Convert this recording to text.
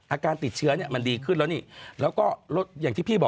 อาการติดเชื้อหรือมันดีขึ้นแล้วนี่